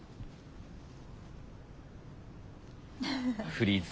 フリーズ。